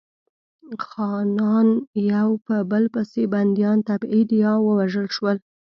خانان یو په بل پسې بندیان، تبعید یا ووژل شول.